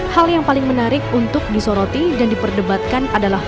hal yang paling menarik untuk disoroti dan diperdebatkan adalah